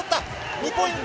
２ポイント。